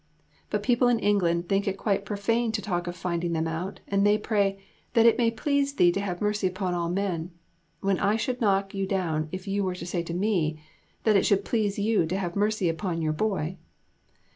But people in England think it quite profane to talk of finding them out, and they pray "That it may please Thee to have mercy upon all men," when I should knock you down if you were to say to me "That it should please you to have mercy upon your boy."